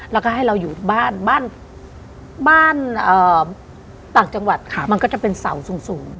แล้วก็ให้เราอยู่บ้านบ้านต่างจังหวัดมันก็จะเป็นเสาสูง